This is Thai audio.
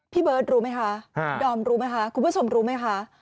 เบิร์ตรู้ไหมคะดอมรู้ไหมคะคุณผู้ชมรู้ไหมคะ